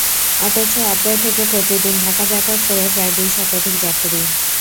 অথচ আত্রাই থেকে প্রতিদিন ঢাকা যাতায়াত করে প্রায় দুই শতাধিক যাত্রী।